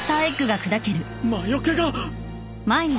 魔よけが。